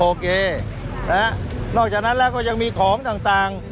นอกจากนั้นแล้วก็ยังมีของต่าง